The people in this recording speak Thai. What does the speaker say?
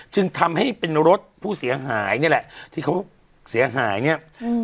จึงทำให้เป็นรถผู้เสียหายนี่แหละที่เขาเสียหายเนี่ย